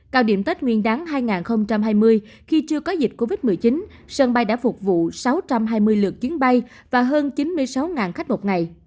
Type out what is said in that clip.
cao điểm tết nguyên đáng hai nghìn hai mươi khi chưa có dịch covid một mươi chín sân bay đã phục vụ sáu trăm hai mươi lượt chuyến bay và hơn chín mươi sáu khách một ngày